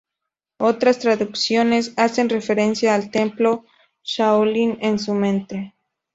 Otras traducciones hacen referencia al templo Shaolin, en su nombre.